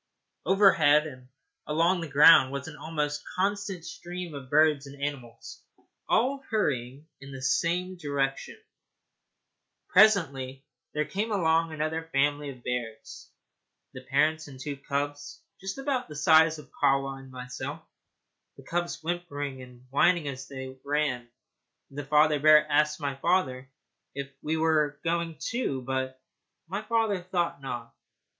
Overhead and along the ground was an almost constant stream of birds and animals, all hurrying in the same direction. Presently there came along another family of bears, the parents and two cubs just about the size of Kahwa and myself, the cubs whimpering and whining as they ran. The father bear asked my father if we were not going, too; but my father thought not.